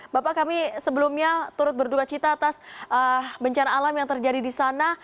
bapak kami sebelumnya turut berduka cita atas bencana alam yang terjadi di sana